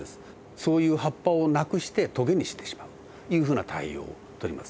そういう葉っぱをなくしてトゲにしてしまうというふうな対応を取ります。